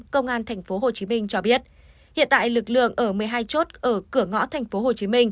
công an tp hcm cho biết hiện tại lực lượng ở một mươi hai chốt ở cửa ngõ tp hcm